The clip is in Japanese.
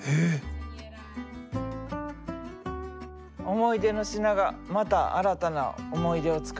思い出の品がまた新たな思い出を作る。